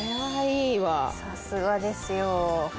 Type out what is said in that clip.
さすがですよ。